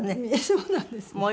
そうなんです。